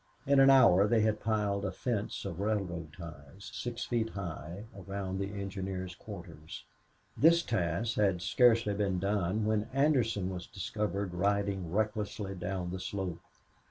In an hour they had piled a fence of railroad ties, six feet high, around the engineers' quarters. This task had scarcely been done when Anderson was discovered riding recklessly down the slope.